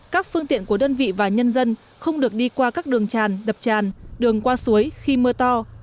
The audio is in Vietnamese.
các phương tiện của đơn vị và nhân dân không được đi qua các đường tràn đập tràn đường qua suối khi mưa to